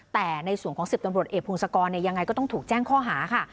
แต่ในส่วนของ๑๐ตำรวจเอกพงศกรยังไงก็ต้องถูกแจ้งข้อหาค่ะ